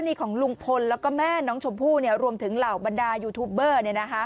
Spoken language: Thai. นี่ของลุงพลแล้วก็แม่น้องชมพู่รวมถึงเหล่าบรรดายูทูปเบอร์